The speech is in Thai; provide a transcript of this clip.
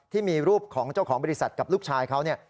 ที่มีรูปของเจ้าของบริษัทกับลูกชายเขาเนี่ย